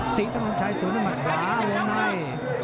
ศรีทนทนชายสูงจุดหมัดหลายลงให้